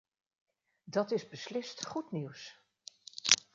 Dat is beslist goed nieuws.